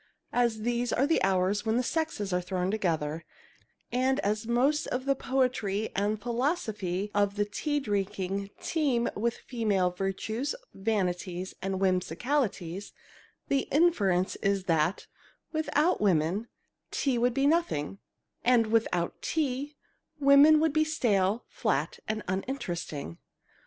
As these are the hours when the sexes are thrown together, and as most of the poetry and philosophy of tea drinking teem with female virtues, vanities, and whimsicalities, the inference is that, without women, tea would be nothing, and without tea, women would be stale, flat, and uninteresting.